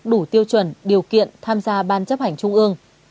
đủ tiêu chuẩn điều kiện tham gia ban chấp hành trung ương